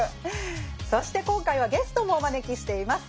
そして今回はゲストもお招きしています。